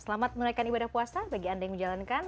selamat menunaikan ibadah puasa bagi anda yang menjalankan